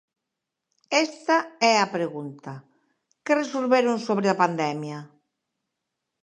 Esta é a pregunta, ¿que resolveron sobre a pandemia?